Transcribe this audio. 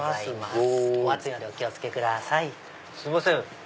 すいません